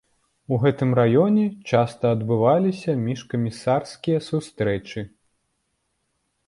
У гэтым раёне часта адбываліся міжкамісарскія сустрэчы.